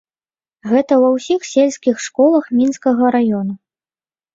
Гэта ва ўсіх сельскіх школах мінскага раёну.